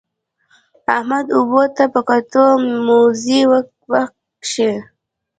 احمد اوبو ته په کتو؛ موزې وکښې.